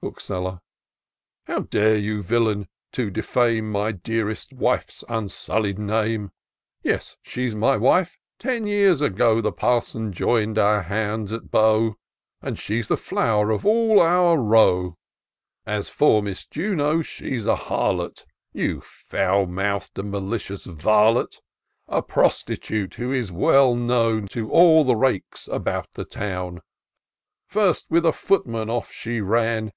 Bookseller. " How dare you, villain, to defame My dearest \;nfe's unsullied name ? Yes, she's my wife ! ten years ago The parson join'd our hands at BoWy And she's the flower of all our Boto. As for Miss Juno^ she's a harlot, You foul mouth'd, and malicious varlet ! A prostitute, who is well known To all the rakes about the town ; First with a footman off she ran.